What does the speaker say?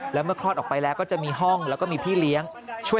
แล้วเมื่อคลอดออกไปแล้วก็จะมีห้องแล้วก็มีพี่เลี้ยงช่วย